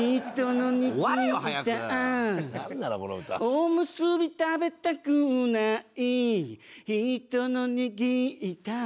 「おむすび食べたくない」「人の握ったあ」